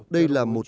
đây là một hiệp định